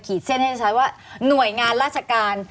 เส้นให้ชัดว่าหน่วยงานราชการ